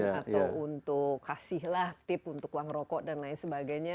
atau untuk kasihlah tip untuk uang rokok dan lain sebagainya